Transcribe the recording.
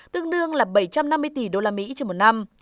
tương đương bảy trăm năm mươi tỷ usd trong một năm